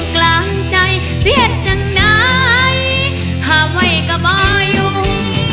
กลางใจเสียจังได้ฮาวัยก็บ่อยอยู่